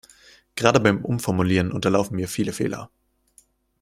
Gerade beim Umformulieren unterlaufen mir viele Fehler.